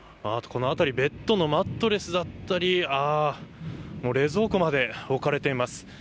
この辺りベッドのマットレスだったり冷蔵庫まで置かれています。